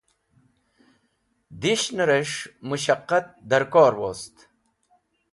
Dishnẽrẽs̃h mushqat dẽrkor wost,